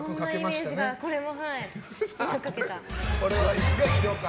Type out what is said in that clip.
いかがでしょうか。